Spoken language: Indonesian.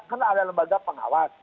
kan ada lembaga pengawas